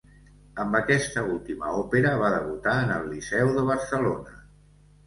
Amb aquesta última òpera va debutar en el Liceu de Barcelona.